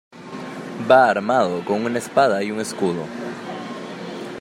Va armado con una espada y un escudo.